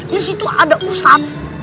di situ ada usan